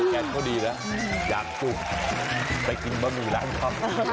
แกเข้าดีแล้วอยากจุบไปกินบะหมูร้านพอดี